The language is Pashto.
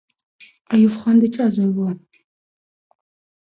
ایوب خان د چا زوی وو؟